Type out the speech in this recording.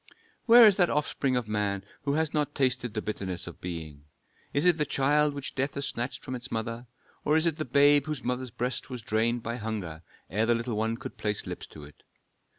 "Where is that offspring of man who has not tasted the bitterness of being? Is it the child which death has snatched from its mother, or is it the babe whose mother's breast was drained by hunger ere the little one could place lips to it?